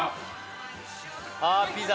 あっピザ！